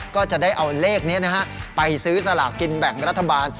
ก็จะได้เอาเลขนี้นะฮะไปซื้อสลากกินแบ่งรัฐบาล